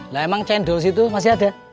nah emang cendol situ masih ada